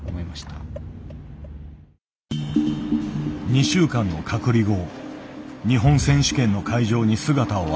２週間の隔離後日本選手権の会場に姿を現した。